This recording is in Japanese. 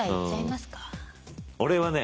俺はね